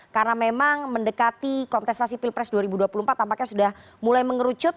karena memang mendekati kontestasi pilpres dua ribu dua puluh empat tampaknya sudah mulai mengerucut